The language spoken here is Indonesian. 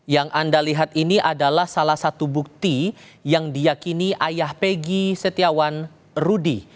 yang anda lihat ini adalah salah satu bukti yang diakini ayah peggy setiawan rudy